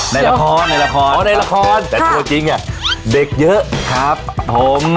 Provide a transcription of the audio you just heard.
ในราคมในราคมค่ะแต่จริงเนี่ยเด็กเยอะครับผม